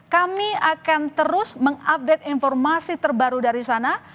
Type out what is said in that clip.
kami akan terus mengupdate informasi terbaru dari sana